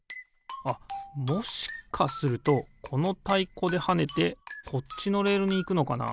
あっもしかするとこのたいこではねてこっちのレールにいくのかな？